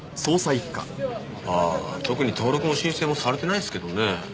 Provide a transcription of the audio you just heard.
特に登録も申請もされてないですけどね。